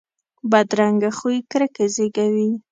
بدرنګه خوی کرکه زیږوي